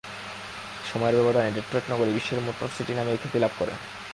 সময়ের ব্যবধানে ডেট্রয়েট নগরী বিশ্বের মোটর সিটি নামে খ্যাতি লাভ করে।